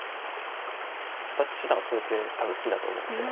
佐々木七段はそういう手多分好きだと思うので。